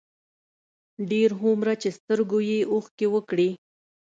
ډېر هومره چې سترګو يې اوښکې وکړې،